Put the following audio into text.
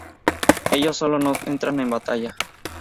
Ellos solos no entran en batalla.